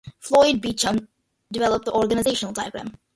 Floyd Beachum developed the Organizational Diagram.